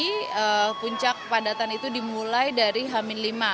kami puncak kepadatan itu dimulai dari khamis lima